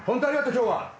今日は。